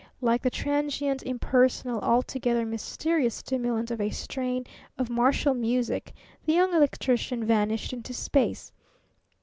Like the transient, impersonal, altogether mysterious stimulant of a strain of martial music, the Young Electrician vanished into space.